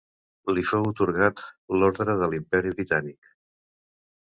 Li fou atorgat l'Orde de l'Imperi Britànic.